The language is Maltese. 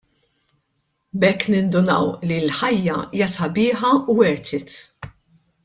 B'hekk nindunaw li l-ħajja hija sabiħa u " worth it "!